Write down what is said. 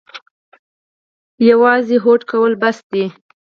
یوازې هوډ کول بس دي؟